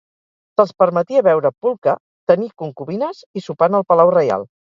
Se'ls permetia beure "pulque", tenir concubines i sopar en el palau reial.